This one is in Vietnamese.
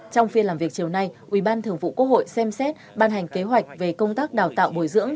trong phiên làm việc chiều nay ủy ban thường vụ quốc hội xem xét ban hành kế hoạch về công tác đào tạo bồi dưỡng